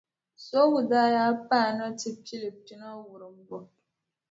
Sooŋa daa yaa paana nti pili pina wurimbu.